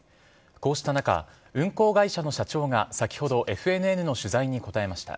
こうした中、運航会社の社長が先ほどＦＮＮの取材に答えました。